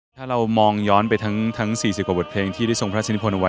ถ้าเรามองย้อนไปทั้ง๔๐กว่าบทเพลงที่ได้ทรงพระราชนิพลเอาไว้